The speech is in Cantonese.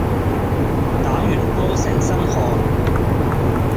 打完波成身汗